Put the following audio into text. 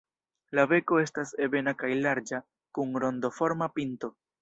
La beko estas ebena kaj larĝa, kun rondoforma pinto.